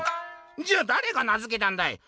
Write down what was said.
「じゃあだれが名づけたんだい？」。